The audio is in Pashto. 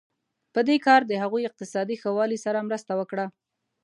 دې کار د هغوی اقتصادي ښه والی سره مرسته وکړه.